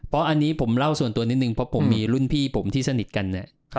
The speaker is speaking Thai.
เพราะอันนี้ผมเล่าส่วนตัวนิดนึงเพราะผมมีรุ่นพี่ผมที่สนิทกันเนี่ย